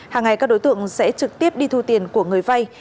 hàng ngày các đối tượng sẽ trực tiếp đi thu tiền của người vay